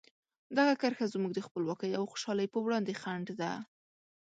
دغه کرښه زموږ د خپلواکۍ او خوشحالۍ په وړاندې خنډ ده.